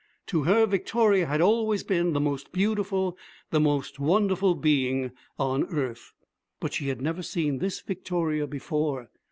To her Victoria had always been the most beautiful, the most wonderful being, on earth. But she had never seen this Victoria before.